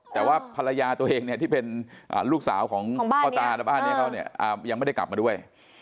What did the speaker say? แต่ว่าภรรยาตัวเองเนี่ยที่เป็นลูกสาวของพ่อตาและบ้านนี้เขาเนี่ยยังไม่ได้กลับมาด้วย